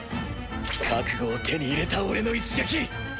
覚悟を手に入れた俺の一撃！